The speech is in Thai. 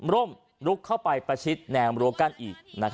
ร่มลุกเข้าไปประชิดแนวรั้วกั้นอีก